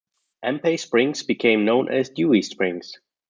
Empey Springs became known as Dewey Springs.